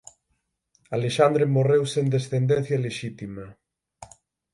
Alexandre morreu sen descendencia lexítima.